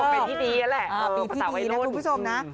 เป็นที่ดีนั่นแหละเป็นที่ดีนะคุณผู้ชมนะ